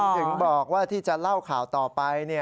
ถึงบอกว่าที่จะเล่าข่าวต่อไป